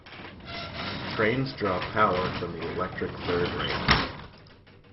Trains draw power from the electric third rail.